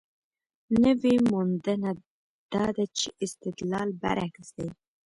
نوې موندنه دا ده چې استدلال برعکس دی.